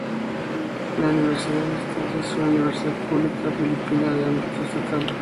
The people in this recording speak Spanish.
La universidad a distancia es una universidad pública filipina de ámbito estatal.